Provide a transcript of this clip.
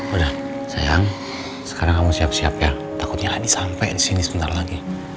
udah sayang sekarang kamu siap siap ya takutnya adi sampai disini sebentar lagi